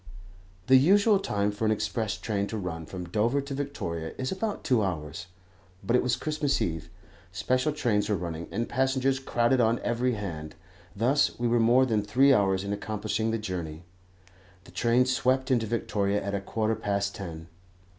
The usual time for an express train to run from Dover to Victoria is about two hours; but it was Christmas Eve, special trains were running, and passengers crowded on every hand, thus we were more than three hours in accomplishing the journey. The train swept into Victoria at a quarter past ten.